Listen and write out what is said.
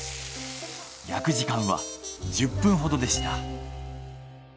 焼く時間は１０分ほどでした。